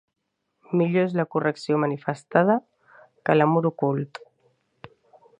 Millor és la correcció manifestada, que l'amor ocult.